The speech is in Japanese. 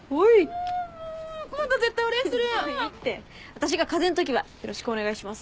私が風邪のときはよろしくお願いします。